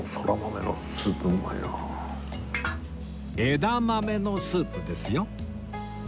枝豆のスープですよ